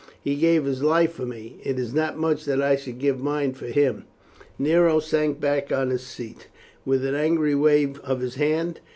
He gave His life for me it is not much that I should give mine for Him." Nero sank back on his seat with an angry wave of his hand.